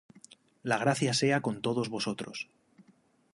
La gracia sea con todos vosotros.